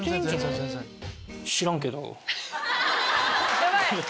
ヤバい！